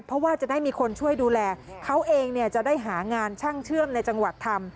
เพราะว่าจะได้มีคนช่วยดูแลเขาเองเนี่ยจะได้หางานช่างเชื่อมในจังหวัดทำ